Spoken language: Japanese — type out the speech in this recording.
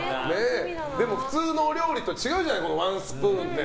でも、普通のお料理と違うじゃないワンスプーンって。